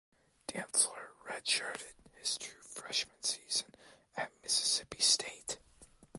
Dantzler redshirted his true freshman season at Mississippi State.